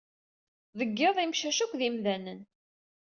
Deg yiḍ, imcac akk d idemdamen.